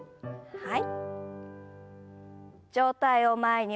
はい。